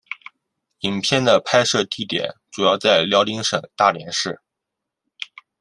影片的拍摄地点主要在辽宁省大连市。